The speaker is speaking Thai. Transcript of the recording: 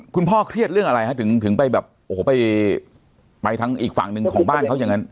คุณพ่อเครียดเรื่องอะไรถึงไปอีกฝั่งหนึ่งของบ้านเขาอย่างนั้น